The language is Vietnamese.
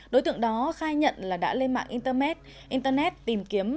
đối tượng đó khai nhận là đã lên mạng internet tìm kiếm